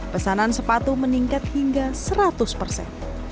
pesanan sepatu meningkat hingga seratus persen